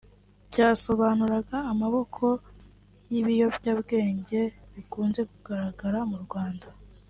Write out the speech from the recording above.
cyasobanuraga amoko y’Ibiyobyabwenge bikunze kugaragara mu Rwanda